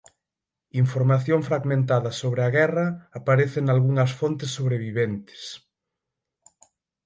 Información fragmentada sobre a guerra aparece nalgunhas fontes sobreviventes.